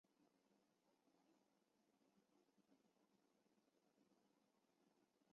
它是赛车史上以死亡人数计算最严重的事故。